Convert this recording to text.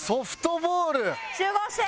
集合して！